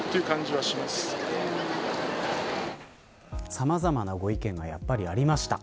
さまざまなご意見がやっぱりありました。